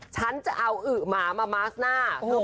ฉันจะเอาอึ๋อหมามามัสหน้า